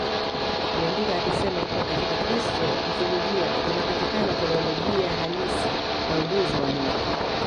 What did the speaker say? Aliandika akisema kuwa Katika Kristo msulubiwa vinapatikana teolojia halisi na ujuzi wa Mungu